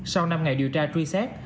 sau năm ngày điều tra truy xét